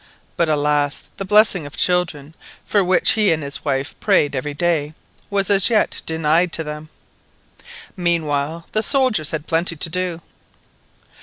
but, alas! the blessing of children, for which he and his wife prayed every day, was as yet denied to them. Meanwhile the soldiers had plenty to do.